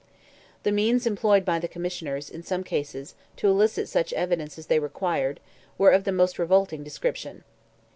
The means employed by the Commissioners, in some cases, to elicit such evidence as they required, were of the most revolting description.